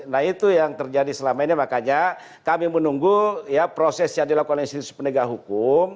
nah itu yang terjadi selama ini makanya kami menunggu ya proses yang dilakukan institusi penegak hukum